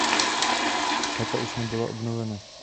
Chata už nebyla obnovena.